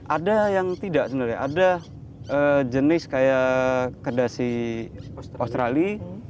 ada yang tidak sebenarnya ada jenis kayak kedasi australia